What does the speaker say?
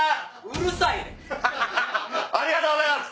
ありがとうございます！